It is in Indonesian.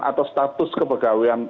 atau status kepegawian